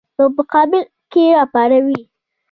په مقابل کې یې راپاروي.